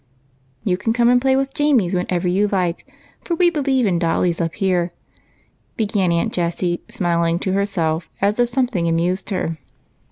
" You can come and play with Jamie's whenever you like, for we believe in dollies up here," began Aunt Jessie, smiling to herself as if something amused her.